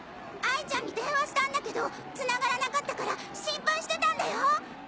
哀ちゃんに電話したんだけどつながらなかったから心配してたんだよ！